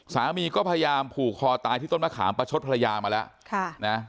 สามีก็พยายามผูกคอตายที่ต้นมะขามประชดภรรยามาแล้ว